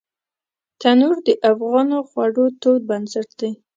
تنور د افغانو خوړو تود بنسټ دی